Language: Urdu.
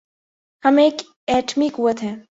ہم ایک ایٹمی قوت ہیں۔